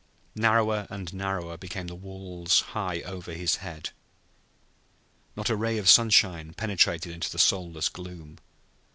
Narrower and narrower became the walls high over his head. Not a ray of sunlight penetrated into the soundless gloom.